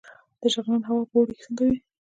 د شغنان هوا په اوړي کې څنګه وي؟